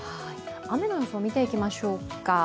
雨の予想を見ていきましょうか。